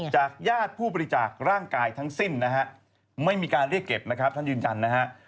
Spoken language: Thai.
จากญาติผู้บริจาคร่างกายทั้งสิ้นนะฮะไม่มีการเรียกเก็บนะครับท่านยืนยันนะฮะ